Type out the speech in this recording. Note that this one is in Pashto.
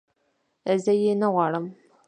زه یې نه غواړم